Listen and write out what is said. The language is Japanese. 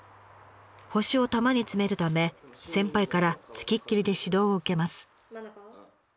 星を玉に詰めるため先輩から付きっきりで指導を受けます。